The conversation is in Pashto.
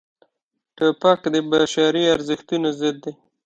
توپک د بشري ارزښتونو ضد دی.